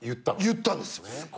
言ったんですよ。